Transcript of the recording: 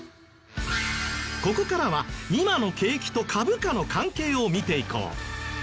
ここからは今の景気と株価の関係を見ていこう。